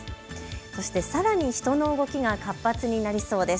そして、さらに人の動きが活発になりそうです。